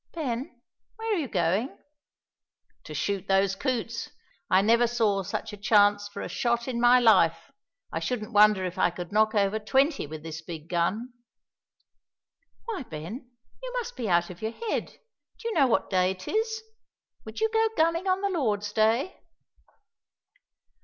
"Ben, where are you going?" "To shoot those coots; I never saw such a chance for a shot in my life. I shouldn't wonder if I could knock over twenty with this big gun." "Why, Ben, you must be out of your head; do you know what day 'tis? would you go gunning on the Lord's day?"